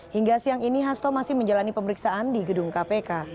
hingga siang ini hasto masih menjalani pemeriksaan di gedung kpk